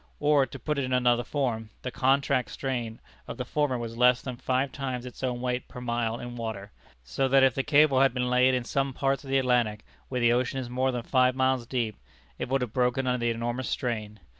Or, to put it in another form, the contract strain of the former was less than five times its own weight per mile in water; so that if the cable had been laid in some parts of the Atlantic, where the ocean is more than five miles deep, it would have broken under the enormous strain.